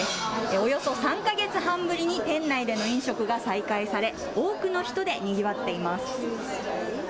およそ３か月半ぶりに、店内での飲食が再開され、多くの人でにぎわっています。